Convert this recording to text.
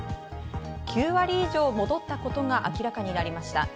９割以上戻ったことが明らかになりました。